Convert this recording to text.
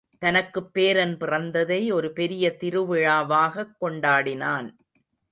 தனக்குப் பேரன் பிறந்ததை ஒரு பெரிய திருவிழாவாகக் கொண்டாடினான்.